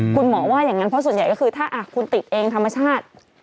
คุณหมอว่าอย่างนั้นเพราะส่วนใหญ่ก็คือถ้าคุณติดเองธรรมชาติ